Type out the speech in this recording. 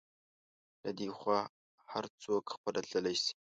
له دې خوا هر څوک خپله تللی شي.